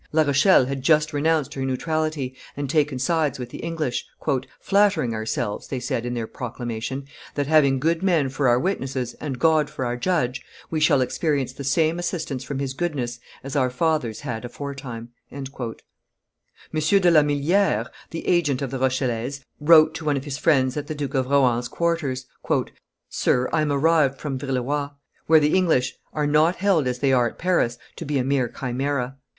La Rochelle had just renounced her neutrality and taken sides with the English, "flattering ourselves," they said in their proclamation, "that, having good men for our witnesses and God for our judge, we shall experience the same assistance from His goodness as our fathers had aforetime." M. de La Milliere, the agent of the Rochellese, wrote to one of his friends at the Duke of Rohan's quarters, "Sir, I am arrived from Villeroy, where the English are not held as they are at Paris to be a mere chimera.